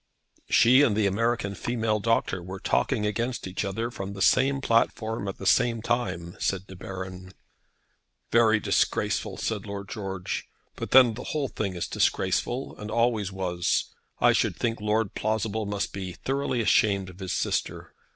"She and the American female doctor were talking against each other from the same platform, at the same time," said De Baron. "Very disgraceful!" said Lord George. "But then the whole thing is disgraceful, and always was. I should think Lord Plausible must be thoroughly ashamed of his sister."